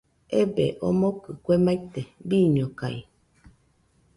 Ebee, omokɨ kue maite, bɨñokaɨɨɨ